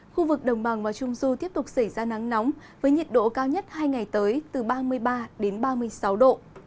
khu vực đồng bằng và trung du tiếp tục xảy ra nắng nóng với nhiệt độ cao nhất hai ngày tới từ ba mươi ba đến ba mươi sáu độ